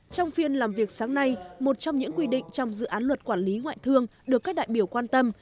trong phiên làm việc sáng nay một trong những quy định trong dự án luật quản lý ngoại thương được các đại biểu quan tâm